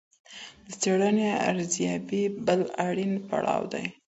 د څېړني ارزیابي بل اړین پړاو دی.